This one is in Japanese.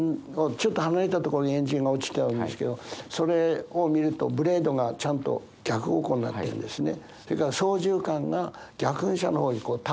ちょっと離れたところにエンジンが落ちてあるんですけどそれを見るとブレードがちゃんと逆方向になってるんですね。